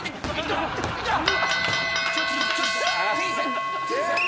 痛っ！